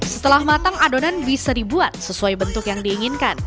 setelah matang adonan bisa dibuat sesuai bentuk yang diinginkan